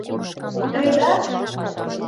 — Кутыреда!